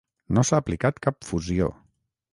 No s'ha aplicat cap fusió.